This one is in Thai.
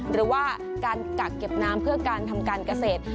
หรือว่าการกักเก็บน้ำเพื่อการทำการเกษตร